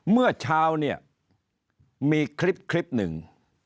เมื่อเช้าเนี่ยมีคลิปหนึ่ง